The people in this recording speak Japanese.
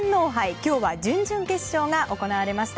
今日は準々決勝が行われました。